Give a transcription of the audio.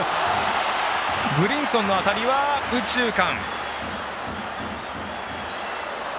ブリンソンの当たりは右中間。